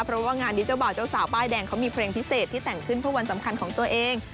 เพราะว่างานนี้เจ้าบ่าวเจ้าสาวป้ายแดงเขามีเพลงพิเศษที่แต่งขึ้นเพื่อวันสำคัญของตัวเอง